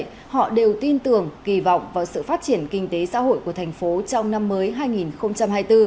nhiều tin tưởng kỳ vọng và sự phát triển kinh tế xã hội của thành phố trong năm mới hai nghìn hai mươi bốn